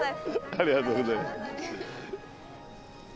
ありがとうございます。